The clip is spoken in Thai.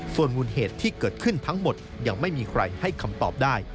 ส่วนมูลเหตุที่เกิดขึ้นทั้งหมดยังไม่มีใครให้คำตอบได้